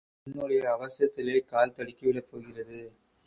உன்னுடைய அவசரத்திலே கால் தடுக்கிவிடப் போகிறது.